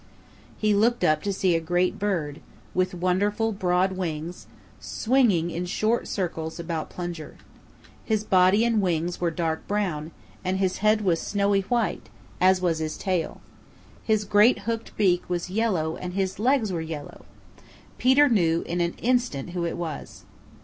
He looked up to see a great bird, with wonderful broad wings, swinging in short circles about Plunger. His body and wings were dark brown, and his head was snowy white, as was his tail. His great hooked beak was yellow and his legs were yellow. Peter knew in an instant who it was.